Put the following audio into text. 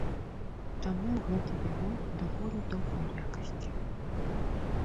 Таму гэта віно даволі добрай якасці.